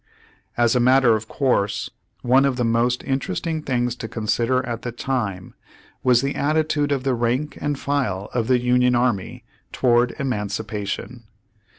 As a matter of course one of the most interest ing things to consider at the time was the attitude of the rank and file of the Union Army toward emancipation.